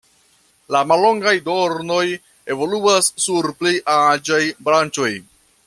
La mallongaj dornoj evoluas sur pli aĝaj branĉoj.